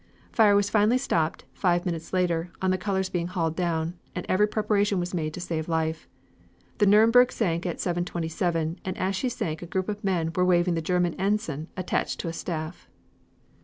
Fire was finally stopped five minutes later, on the colors being hauled down, and every preparation was made to save life. The Nuremburg sank at 7.27, and as she sank a group of men were waving the German ensign attached to a staff.